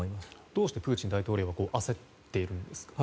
どうしてプーチン大統領は焦っているんですか？